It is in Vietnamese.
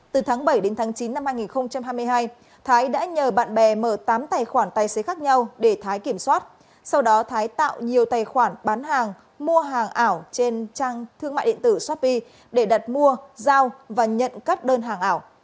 từ tháng bảy đến tháng chín năm hai nghìn hai mươi hai thái đã nhờ bạn bè mở tám tài khoản tài xế khác nhau để thái kiểm soát sau đó thái tạo nhiều tài khoản bán hàng mua hàng ảo trên trang thương mại điện tử shopee để đặt mua giao và nhận các đơn hàng ảo